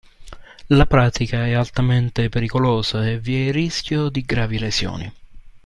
La pratica è altamente pericolosa e vi è il rischio di gravi lesioni.